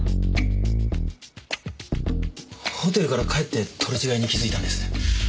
ホテルから帰って取り違えに気付いたんです。